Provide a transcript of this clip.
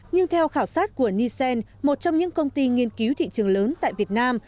nhưng theo khảo sát của nisen một trong những công ty nghiên cứu thị trường lớn tại việt nam